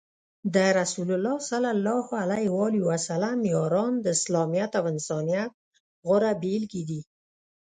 د رسول الله ص یاران د اسلامیت او انسانیت غوره بیلګې دي.